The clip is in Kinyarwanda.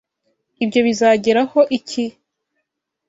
Ibyo bizageraho iki?